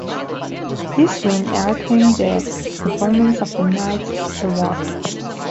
This win earned him the" Performance of the Night" award.